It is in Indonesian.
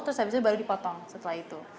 terus habisnya baru dipotong setelah itu